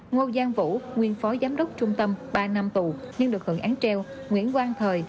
ngô giang vũ nguyên phó giám đốc trung tâm ba năm tù nhưng được hưởng án treo nguyễn quang thời